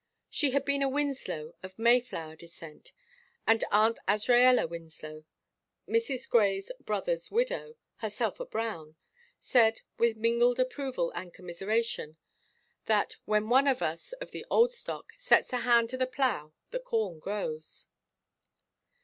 She had been a Winslow, of Mayflower descent, and Aunt Azraella Winslow, Mrs. Grey's brother's widow herself a Brown said, with mingled approval and commiseration, that "when one of us, of the old stock, sets a hand to the plough the corn grows."